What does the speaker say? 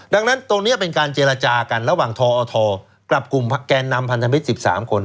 ดังนั้นตรงนี้เป็นการเจรจากันระหว่างทอทกับกลุ่มแกนนำพันธมิตร๑๓คน